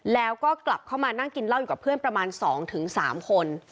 แล้วก็กลับเข้ามานั่งกินเหล้าอยู่กับเพื่อนประมาณ๒๓คน